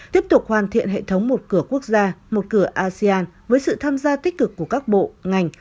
tiếp tục hoàn thiện hệ thống một cửa quốc gia một cửa asean với sự tham gia tích cực của các bộ ngành